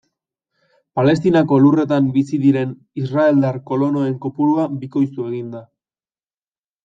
Palestinako lurretan bizi diren israeldar kolonoen kopurua bikoiztu egin da.